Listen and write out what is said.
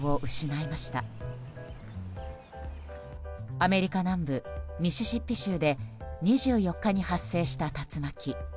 アメリカ南部ミシシッピ州で２４日に発生した竜巻。